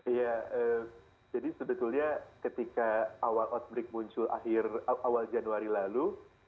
iya jadi sebetulnya ketika awal outbreak muncul awal januari lalu